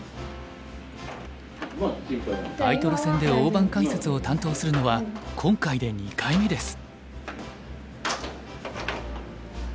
タイトル戦で大盤解説を担当するのは今回で２回目です。